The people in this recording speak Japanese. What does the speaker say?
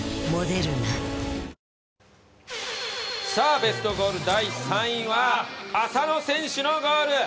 ベストゴール、第３位は浅野選手のゴール！